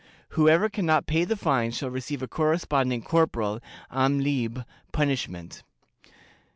Whoever can not pay the fines shall receive a corresponding corporal (am leibe) punishment.